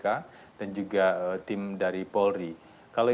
kalau informasi yang kita dengar itu adalah hal yang terjadi